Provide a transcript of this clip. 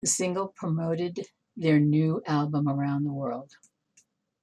The single promoted their new album around the world.